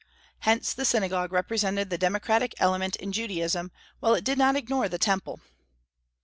Hence, the synagogue represented the democratic element in Judaism, while it did not ignore the Temple.